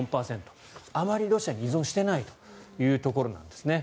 あまりロシアに依存していないというところなんですね。